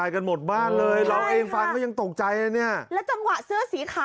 โมโมไหนไหนมานี่